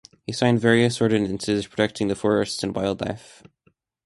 He signed various ordinances protecting the forests and wildlife.